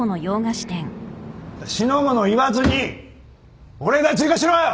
四の五の言わずに保冷剤追加しろよ！